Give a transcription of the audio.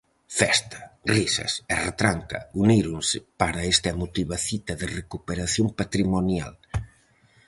Festa, risas e retranca uníronse para esta emotiva cita de recuperación patrimonial.